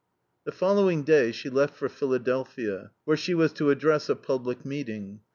The following day she left for Philadelphia, where she was to address a public meeting.